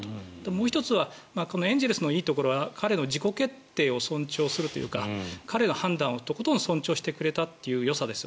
もう１つはこのエンゼルスのいいところは彼の自己決定を尊重するというか彼の判断をとことん尊重してくれたというよさです。